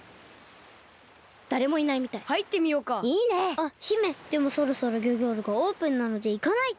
あっ姫でもそろそろギョギョールがオープンなのでいかないと。